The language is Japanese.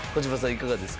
いかがですか？